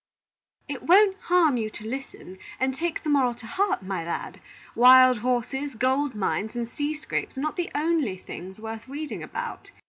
"It won't harm you to listen, and take the moral to heart, my lad. Wild horses, gold mines, and sea scrapes, are not the only things worth reading about.